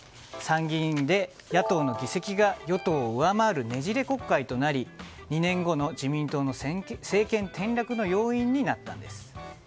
参議院で野党の議席が与党を上回るねじれ国会となり２年後の自民党の政権転落の要因になったんです。